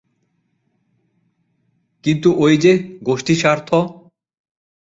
কিন্তু ওই যে গোষ্ঠীস্বার্থ।